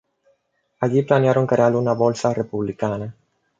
Allí planearon crear una bolsa republicana.